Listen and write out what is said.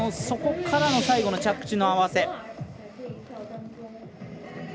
そこからの最後の着地の合わせ。